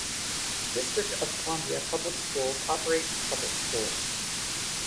District of Columbia Public Schools operates public schools.